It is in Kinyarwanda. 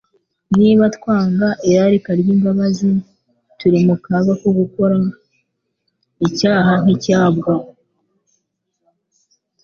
niba twanga irarika ry'imbabazi, turi mu kaga ko gukora icyaha nk'icyabwo.